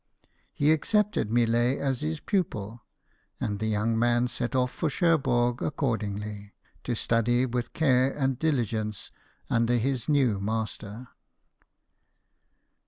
He accepted Millet as his pu pil ; and the young man set off for Cherbourg accordingly, to study with care and diligence under his new master.